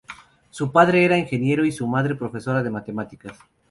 Su padre era ingeniero y su madre, profesora de matemáticas.